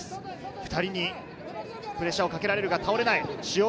２人にプレッシャーをかけられるが倒れない。